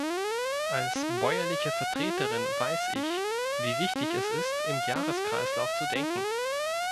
Als bäuerliche Vertreterin weiß ich, wie wichtig es ist, im Jahreskreislauf zu denken.